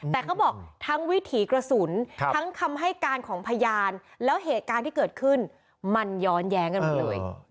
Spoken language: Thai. แต่เขาบอกทั้งวิถีกระสุนทั้งคำให้การของพยานแล้วเหตุการณ์ที่เกิดขึ้นมันย้อนแย้งกันหมดเลย